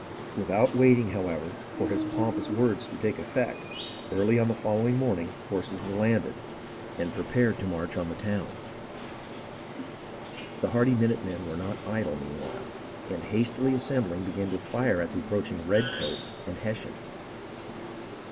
Without waiting, however, for his pompous words to take effect, early on the following morning forces were landed, 268 HISTORY OF THE AMERICAN REVOLUTION and prepared to march upon the town. The hardy minute men were not idle meanwhile, and hastily assembling began to fire at the approaching redcoats and Hessians.